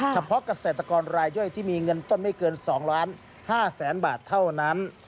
เกษตรกรรายย่อยที่มีเงินต้นไม่เกิน๒๕๐๐๐๐บาทเท่านั้น